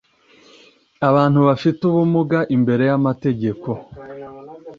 abantu bafite ubumuga imbere y amategeko